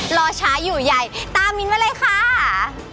รอช้าอยู่ใหญ่ตามมิ้นมาเลยค่ะ